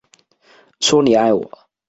说你爱我